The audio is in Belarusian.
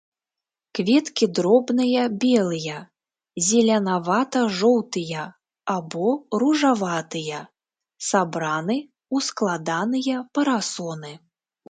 Кветкі дробныя белыя, зелянява-жоўтыя або ружаватыя, сабраны ў складаныя парасоны.